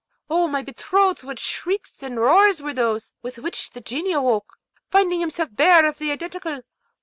O my betrothed, what shrieks and roars were those: with which the Genie awoke, finding himself bare of the Identical!